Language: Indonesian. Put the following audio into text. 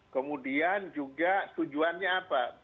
kemudian juga tujuannya apa